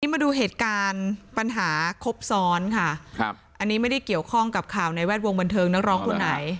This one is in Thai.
มาดูเหตุการณ์ปัญหาครบซ้อนค่ะครับอันนี้ไม่ได้เกี่ยวข้องกับข่าวในแวดวงบันเทิงนักร้องคนไหน